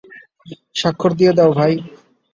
স্বাক্ষর দিয়ে দাও, ভাই।